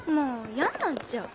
やんなっちゃう。